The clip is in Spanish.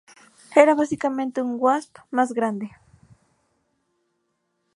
Era básicamente un "Wasp más grande".